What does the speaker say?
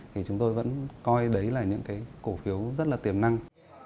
thì chúng tôi vẫn coi đấy là những cổ phiếu rất tiềm năng